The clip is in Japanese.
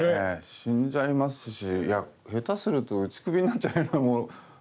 死んじゃいますしいや下手すると打ち首になっちゃうようなものぐらい。